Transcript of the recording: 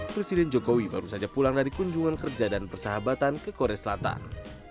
presiden jokowi baru saja pulang dari kunjungan kerja dan persahabatan ke korea selatan